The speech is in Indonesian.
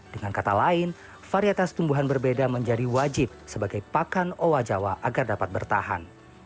dengan kata lain varietas tumbuhan berbeda menjadi wajib sebagai pakan owa jawa agar dapat bertahan